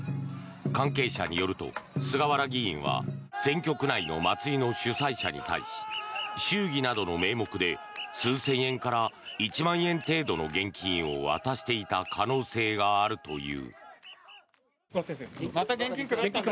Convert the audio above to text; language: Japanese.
関係者によると、菅原議員は選挙区内の祭りの主催者に対し祝儀などの名目で数千円から１万円程度の現金を渡していた可能性があるという。